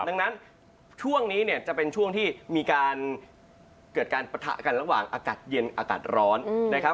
ดังนั้นช่วงนี้เนี่ยจะเป็นช่วงที่มีการเกิดการปะทะกันระหว่างอากาศเย็นอากาศร้อนนะครับ